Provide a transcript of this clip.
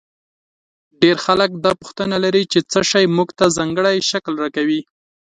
ډېر خلک دا پوښتنه لري چې څه شی موږ ته ځانګړی شکل راکوي.